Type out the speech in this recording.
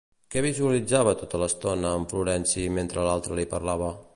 Què visualitzava tota l'estona en Florenci mentre l'altre li parlava?